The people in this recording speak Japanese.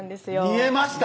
見えました？